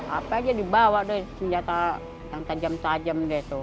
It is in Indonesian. apa aja dibawa deh senjata yang tajam tajam deh tuh